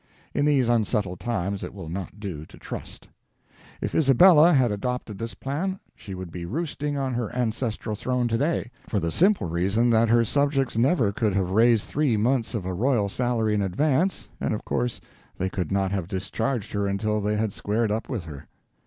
In these unsettled times it will not do to trust. If Isabella had adopted this plan, she would be roosting on her ancestral throne to day, for the simple reason that her subjects never could have raised three months of a royal salary in advance, and of course they could not have discharged her until they had squared up with her.